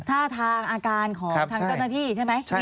ท่าทางอาการของทางเจ้าหน้าที่ใช่ไหม